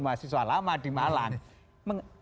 mahasiswa lama di malang